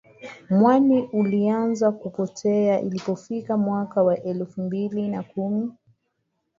Mwani ulianza kupotea ilipofika mwaka elfu mbili na kumi